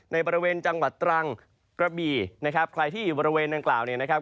ในบริเวณจังหวัดตรังกระบี่นะครับใครที่อยู่บริเวณนางกล่าวเนี่ยนะครับ